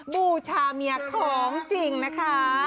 บูชาเมียของจริงนะคะ